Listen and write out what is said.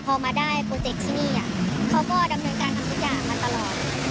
พอมาได้โปรเจคที่นี่เขาก็ดำเนินการทำทุกอย่างมาตลอด